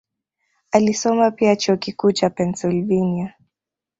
Alisoma pia Chuo Kikuu cha Pennsylvania